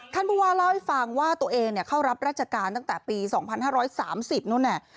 ผู้ว่าเล่าให้ฟังว่าตัวเองเข้ารับราชการตั้งแต่ปี๒๕๓๐นู่นเนี่ย